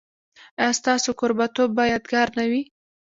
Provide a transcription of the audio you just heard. ایا ستاسو کوربه توب به یادګار نه وي؟